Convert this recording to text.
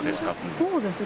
そうですね。